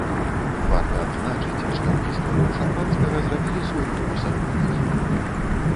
Варта адзначыць, што ў гісторыю шампанскага зрабілі свой унёсак многія.